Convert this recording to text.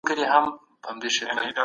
مسیحي ټولني نوي قوانین جوړ کړل.